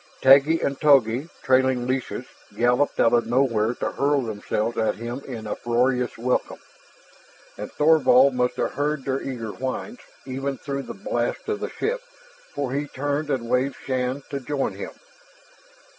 Taggi and Togi, trailing leashes, galloped out of nowhere to hurl themselves at him in uproarious welcome. And Thorvald must have heard their eager whines even through the blast of the ship, for he turned and waved Shann to join him.